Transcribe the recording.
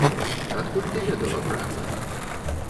Адкуль ты ведала пра жыта?